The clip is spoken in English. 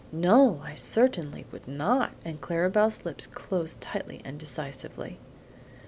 "No; I certainly would not!" and Clara Belle's lips closed tightly and decisively.